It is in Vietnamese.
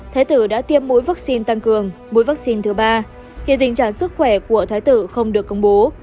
thái tử đã tiêm mũi vắc xin tăng cường mũi vắc xin thứ ba hiện tình trạng sức khỏe của thái tử không được công bố